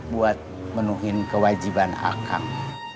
buat menuhin kewajiban akang